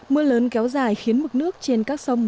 mưa lớn kéo dài khiến mực nước trên các sông